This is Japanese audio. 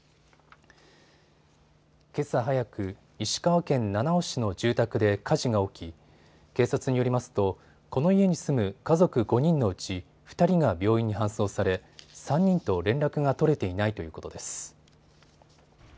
けさ早く、石川県七尾市の住宅で火事が起き警察によりますと、この家に住む家族５人のうち２人が病院に搬送され３人と連絡が取れていないということです。